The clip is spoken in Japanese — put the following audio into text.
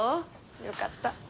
よかった。